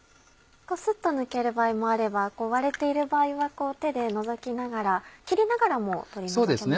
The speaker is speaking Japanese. スッと抜ける場合もあれば割れている場合はこう手で除きながら切りながらも取り除けますよね？